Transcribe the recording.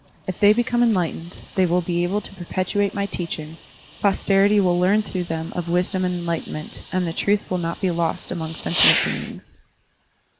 If they become enlight ened, they will be able to perpetuate my teaching, posterity will learn through them of wisdom and enlightenment, and the truth will not be lost among sentient beings."